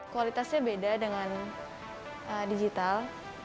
kualitasnya beda dengan digital